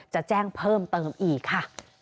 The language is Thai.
จะแจ้งเพิ่มเติมอีกค่ะ